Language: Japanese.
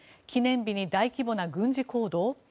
記念日に大規模な軍事行動？